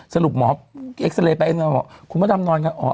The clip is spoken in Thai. สรุปหมออักษรัยไปคุณพ่อดำนอนแล้ว